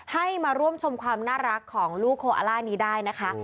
ให้มาร่วมชมความน่ารักของลูกโคอาล่านี้ได้นะคะ